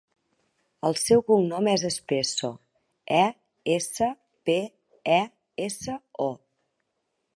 El seu cognom és Espeso: e, essa, pe, e, essa, o.